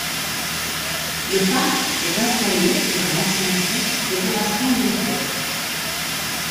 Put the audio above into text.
Le parc est installé sur un ancien site d'opérations militaire.